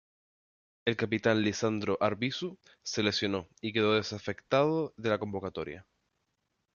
El capitán Lisandro Arbizu se lesionó y quedó desafectado de la convocatoria.